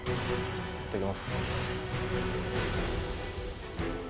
いただきます